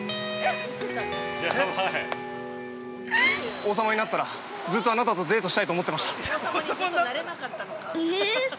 王様になったら、ずっとあなたとデートしたいと思ってました。